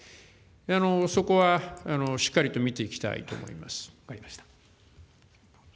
そこはしっかりと見ていきた分かりました。